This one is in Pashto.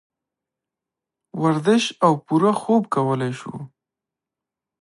ورزش او پوره خوب کولے شو -